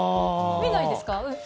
見ないですか？